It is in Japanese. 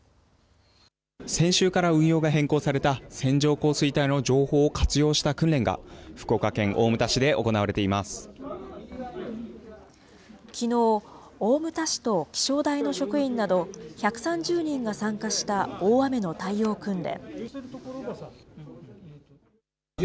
先週から運用が変更された線状降水帯の情報を活用した訓練が、きのう、大牟田市と気象台の職員など、１３０人が参加した大雨の対応訓練。